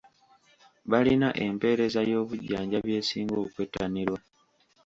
Balina empeereza y'obujjanjabi esinga okwettanirwa.